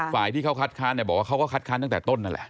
ฝ่ายที่เขาคัดค้านบอกว่าเขาก็คัดค้านตั้งแต่ต้นนั่นแหละ